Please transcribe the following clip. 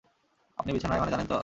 আপনি বিছানার মানে জানেন তো?